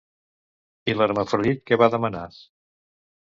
I Hermafrodit què va demanar?